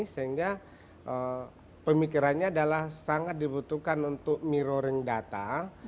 sehingga pemikirannya adalah sangat dibutuhkan untuk mirroring data